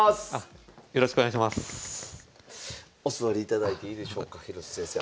お座りいただいていいでしょうか広瀬先生。